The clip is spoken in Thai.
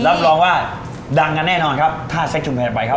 รับรองว่าดังกันแน่นอนครับถ้าเซ็ชุมเงินไปครับ